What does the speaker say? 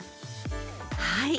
はい。